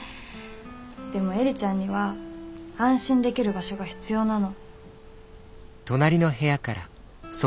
でも映里ちゃんには安心できる場所が必要なの。